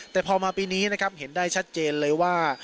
แต่พอมาปีนี้นะครับเห็นได้ชัดเจนเลยว่า